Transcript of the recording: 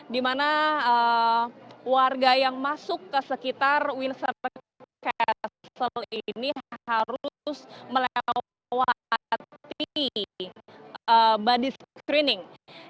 di mana warga yang masuk ke sekitar windsor castle ini harus melewati body screening